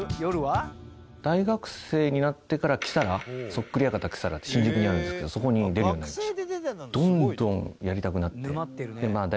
大学生になってからキサラそっくり館キサラって新宿にあるんですけどそこに出るようになりました。